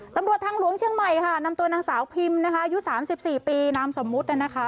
ตำรวจทางหลวงเชียงใหม่ค่ะนำตัวนางสาวพิมพ์นะคะอายุ๓๔ปีนามสมมุตินะคะ